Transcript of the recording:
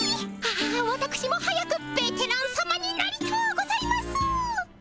あわたくしも早くベテランさまになりとうございます。